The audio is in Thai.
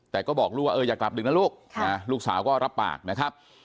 แต่ก็บอกลูกว่าเอออย่ากลับดึกนะลูกลูกสาวก็รับปากนะครับ